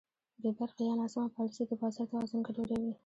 بېبرخې یا ناسمه پالیسي د بازار توازن ګډوډوي.